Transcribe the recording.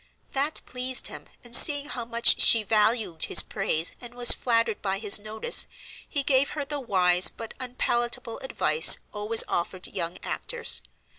That pleased him, and seeing how much she valued his praise, and was flattered by his notice, he gave her the wise but unpalatable advice always offered young actors.